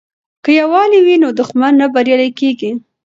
که یووالی وي نو دښمن نه بریالی کیږي.